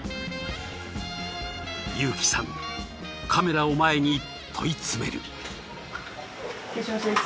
優希さんカメラを前に問い詰める。